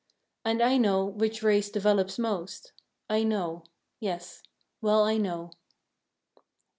And I know which race develops most, I know; yes, well I know.